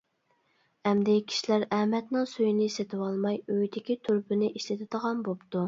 ئەمدى كىشىلەر ئەمەتنىڭ سۈيىنى سېتىۋالماي، ئۆيدىكى تۇرۇبىنى ئىشلىتىدىغان بوپتۇ.